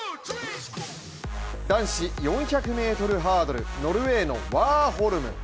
男子４００ｍハードル、ノルウェーのワーホルム。